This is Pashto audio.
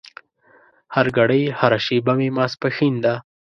هرګړۍ هره شېبه مې ماسپښين ده